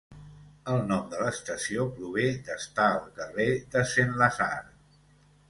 El nom de l'estació prové d'estar al carrer de Saint-Lazare.